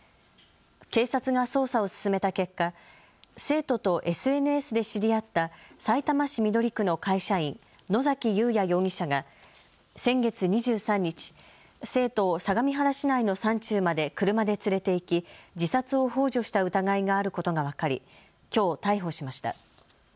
警察が捜査を進めた結果、生徒とＳＮＳで知り合ったさいたま市緑区の会社員、野崎祐也容疑者が先月２３日、生徒を相模原市内の山中まで車で連れて行き自殺をほう助した疑いがあることが分かり、きょう逮捕しました。